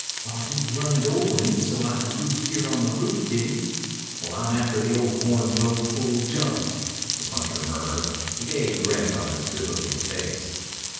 "Thought he'd run it over me, so I'd roost here on the roof, did he? Well, I'm after the ol' horn toad full jump," the puncher murmured, a gay grin on his good looking face.